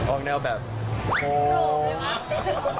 ออกแนวแบบโฮง